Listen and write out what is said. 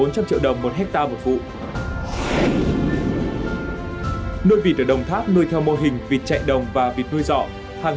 triệu hectare một vụ nuôi vịt ở đồng tháp nuôi theo mô hình vịt chạy đồng và vịt nuôi dọ hàng